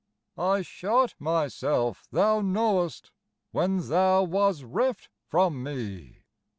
I shot myself, thou knowest, When thou wast reft from me."